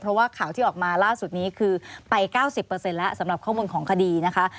เพราะว่าข่าวที่ออกมาล่าสุดนี้คือไป๙๐แล้วสำหรับข้อมูลของคดีนะคะ